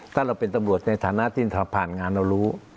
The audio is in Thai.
ถ้าเราเป็นตำรวจในฐานะที่ผ่านงานเรารู้